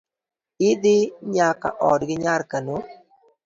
Idhi nyaka odgi nyar kano